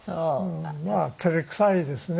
まあ照れくさいですね